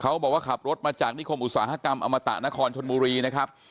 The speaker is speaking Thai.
เขาบอกว่าขับรถมาจากนิคมอุตสาหกรรมอมตะนครชนบุรีนะครับ